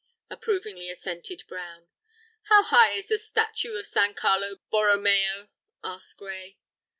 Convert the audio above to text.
approvingly assented Brown. "How high is the statue of San Carlo Borromeo?" asked Gray.